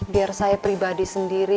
biar saya pribadi sendiri